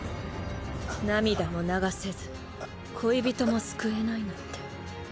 涙も流せず恋人も救えないなんて。